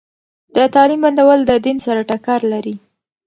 د تعليم بندول د دین سره ټکر لري.